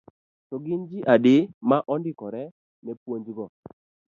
To gin ji adi ma ondikore ne puonjgo.